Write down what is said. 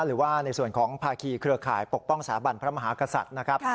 หรือว่าในส่วนของภาคีเครือข่ายปกป้องสถาบันพระมหากษัตริย์นะครับ